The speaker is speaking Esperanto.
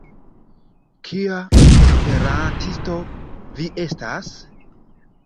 Kia Esperantisto vi estas?